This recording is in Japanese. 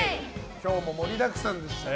今日も盛りだくさんでしたね。